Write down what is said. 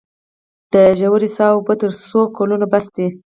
د ژورې څاه اوبه تر څو کلونو بس دي؟